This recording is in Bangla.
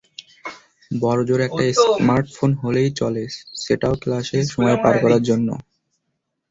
বড়জোর একটা স্মার্টফোন হলেই চলে, সেটাও ক্লাসে সময় পার করার জন্য।